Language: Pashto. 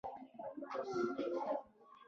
د خدای په نعمتونو شکر ایستل پکار دي.